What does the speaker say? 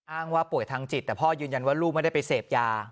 ว่าป่วยทางจิตแต่พ่อยืนยันว่าลูกไม่ได้ไปเสพยา